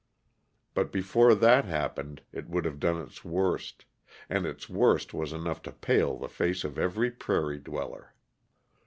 But before that happened it would have done its worst and its worst was enough to pale the face of every prairie dweller.